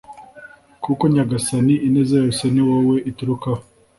koko Nyagasani ineza yose ni wowe iturukaho